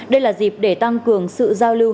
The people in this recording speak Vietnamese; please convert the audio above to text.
đây là dịp để tăng cường sự giao lưu